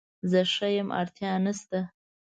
زه ښه یم اړتیا نشته